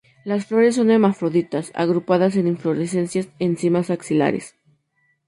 Las flores son hermafroditas agrupadas en inflorescencias en cimas axilares.